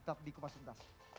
terima kasih bunda